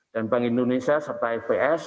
dan bank indonesia serta fbs